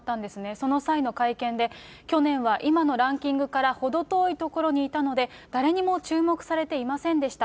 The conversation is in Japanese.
その際の会見で、去年は今のランキングから程遠いところにいたので、誰にも注目されていませんでした。